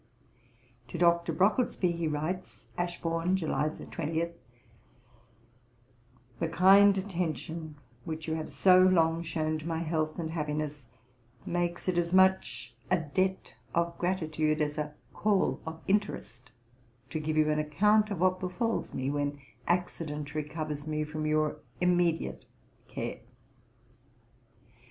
To Dr. BROCKLESBY, he writes, Ashbourne, July 20: 'The kind attention which you have so long shewn to my health and happiness, makes it as much a debt of gratitude as a call of interest, to give you an account of what befals me, when accident recovers me from your immediate care.